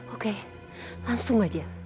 oke langsung aja